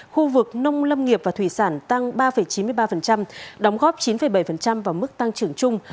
khu vực nông lâm nghiệp và thủy sản tăng ba chín mươi ba đóng góp chín bảy vào mức tăng trưởng chung